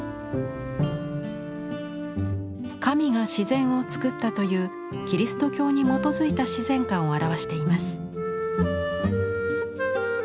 「神が自然を創った」というキリスト教に基づいた自然観を表しています。